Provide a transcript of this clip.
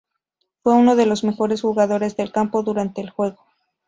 Fue uno de los mejores jugadores del campo durante el juego.